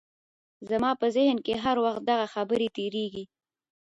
زما په ذهن کې هر وخت دغه خبرې تېرېدې.